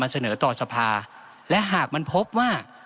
เสนอต่อสภาและหากมันพบว่า